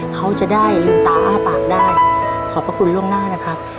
เขาจะได้ลืมตาอ้าปากได้ขอบพระคุณล่วงหน้านะครับ